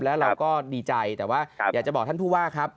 แล้วเราก็ดีใจแต่ว่าอยากจะบอกท่านผู้ว่าครับ